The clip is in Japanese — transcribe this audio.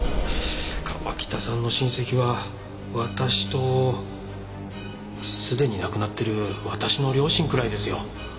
川喜多さんの親戚は私とすでに亡くなってる私の両親くらいですよ。